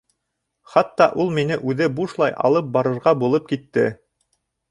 Хатта ул мине үҙе бушлай алып барырға булып китте.